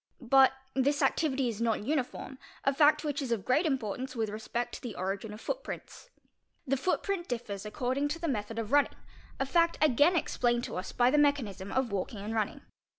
But this activity is not uniform, a fact "which is of great importance with respect to the origin of footprints. 'The footprint differs according to the method of running, a fact again "explained to us by the mechanism of walking and running.